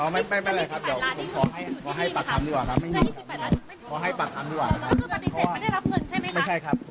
ไม่เป็นไรครับเดี๋ยวผมขอให้ขอให้ปากคำดีกว่าครับไม่มีครับ